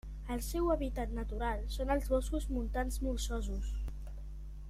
El seu hàbitat natural són els boscos montans molsosos.